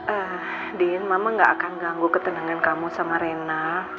eh dian mama gak akan ganggu ketenangan kamu sama rena